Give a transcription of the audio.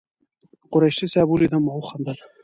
قریشي صاحب ولیدم او وخندل.